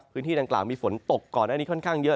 พื้นที่ดังกล่าวมีฝนตกก่อนหน้านี้ค่อนข้างเยอะ